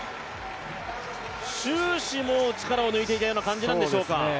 終始、もう力を抜いていたような感じなんでしょうか。